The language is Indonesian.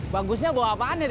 bagusnya bawa apaan ya det